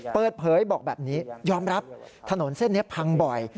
เปิดเผยบอกแบบนี้ยอมรับถนนเส้นนี้พังบ่อย